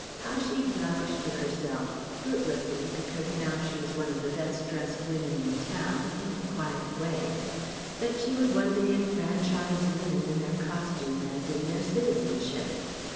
How she vowed to herself fruitlessly, because now she is one of the best dressed women in town (in a quiet way) that she would one day enfranchise women in their costume as in their citizenship?